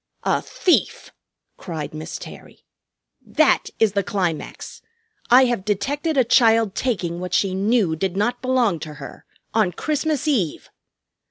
"A thief!" cried Miss Terry. "That is the climax. I have detected a child taking what she knew did not belong to her, on Christmas Eve!